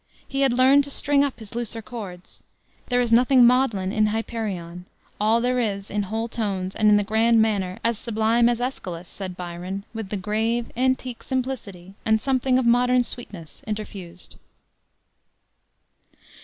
He had learned to string up his looser chords. There is nothing maudlin in Hyperion; all there is in whole tones and in the grand manner, "as sublime as Aeschylus," said Byron, with the grave, antique simplicity, and something of modern sweetness interfused.